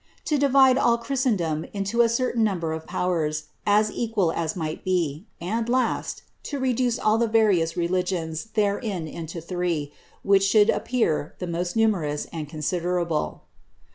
To divide all Christendom into a certain number of powers, as equal as might be ; and, last, to reduce all the various re ligions therein into three, which should appear the most numerous and considerable.